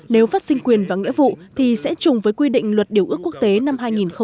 nếu phát sinh quyền và nghĩa vụ thì sẽ chùng với quy định luật điều ước quốc tế năm hai nghìn một mươi